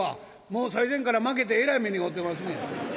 もう最前からまけてえらい目に遭うてますねん。